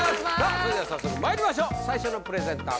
それでは早速まいりましょう最初のプレゼンター